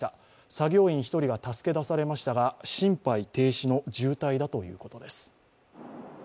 作業員１人が助け出されましたが、心肺停止の重体だということです。